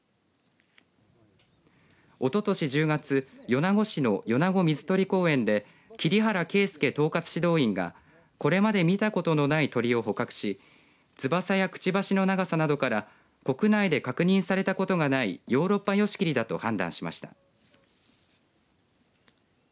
おととし１０月米子市の米子水鳥公園で桐原佳介統括指導員がこれまで見たことのない鳥を捕獲し翼やくちばしの長さなどから国内で確認されたことがないヨーロッパヨシキリだと判断しました。